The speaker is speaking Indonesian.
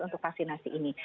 untuk vaksinasi ini